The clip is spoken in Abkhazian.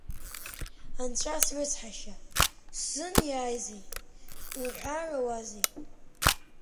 Анцәа срыцҳашьа, сзыниазеи уҳәарауазеи!